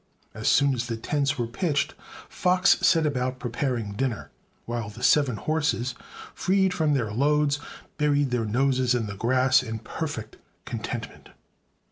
As soon as the tents were pitched, Fox set about preparing dinner, while the seven horses, freed from their loads, buried their noses in the grass in perfect contentment.